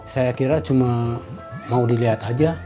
saya kira cuma mau dilihat aja